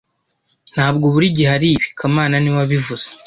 Ntabwo buri gihe aribi kamana niwe wabivuze